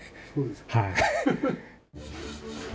はい。